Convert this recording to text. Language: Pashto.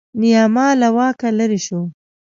نیاما له واکه لرې شو.